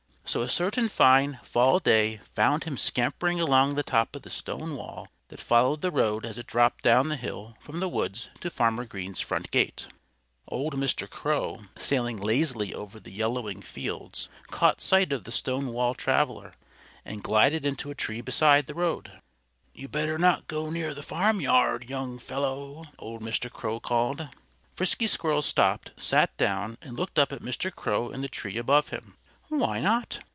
So a certain fine, fall day found him scampering along the top of the stone wall that followed the road as it dropped down the hill from the woods to Farmer Green's front gate. Old Mr. Crow, sailing lazily over the yellowing fields, caught sight of the stone wall traveller and glided into a tree beside the road. "You'd better not go near the farmyard, young fellow!" old Mr. Crow called. Frisky Squirrel stopped, sat down, and looked up at Mr. Crow in the tree above him. "Why not?"